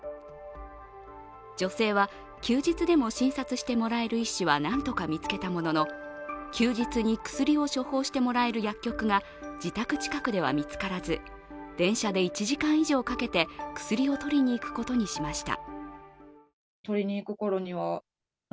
女性は休日でも診察してもらえる医師をなんとか見つけたものの休日に薬を処方してもらえる薬局が自宅近くでは見つからず電車で１時間以上かけて、薬を取りに行くことにしました。